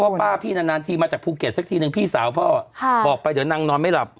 ป้าพี่นานทีมาจากภูเก็ตสักทีนึงพี่สาวพ่อบอกไปเดี๋ยวนางนอนไม่หลับ